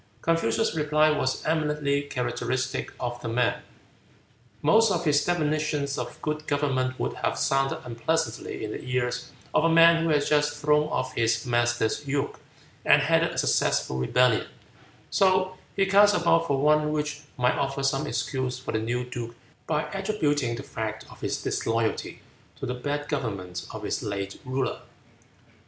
Confucius' reply was eminently characteristic of the man. Most of his definitions of good government would have sounded unpleasantly in the ears of a man who had just thrown off his master's yoke and headed a successful rebellion, so he cast about for one which might offer some excuse for the new duke by attributing the fact of his disloyalty to the bad government of his late ruler.